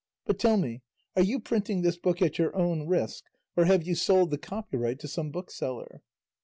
But tell me, are you printing this book at your own risk, or have you sold the copyright to some bookseller?"